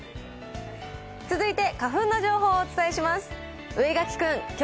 続いて花粉の情報をお伝えします。